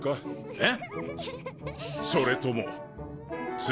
えっ？